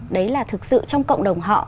đấy là thực sự trong cộng đồng